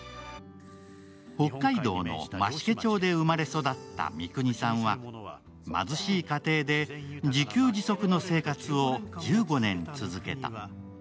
北海道の増毛町で生まれ育った三國さんは貧しい家庭で自給自足の生活を１５年続けた。